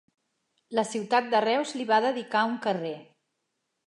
La ciutat de Reus li va dedicar un carrer.